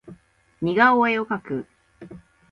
似顔絵を描く